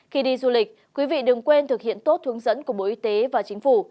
khi đi du lịch quý vị đừng quên thực hiện tốt hướng dẫn của bộ y tế và chính phủ